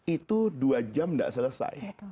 itu dua jam tidak selesai